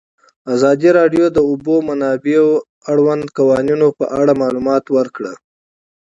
ازادي راډیو د د اوبو منابع د اړونده قوانینو په اړه معلومات ورکړي.